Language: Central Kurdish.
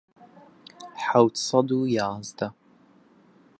حەوت سەد و یازدە